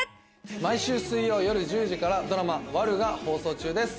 毎週水曜夜１０時から、ドラマ『悪女』が放送中です。